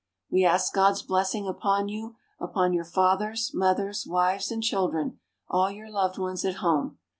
We ask God's blessing upon you upon your fathers, mothers, wives and children all your loved ones at home.